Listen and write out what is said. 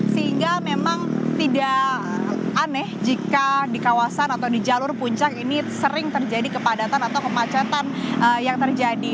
sehingga memang tidak aneh jika di kawasan atau di jalur puncak ini sering terjadi kepadatan atau kemacetan yang terjadi